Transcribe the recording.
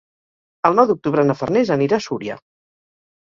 El nou d'octubre na Farners anirà a Súria.